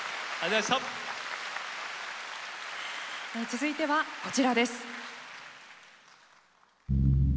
続いてはこちらです。